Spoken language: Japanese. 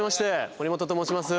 森本と申します。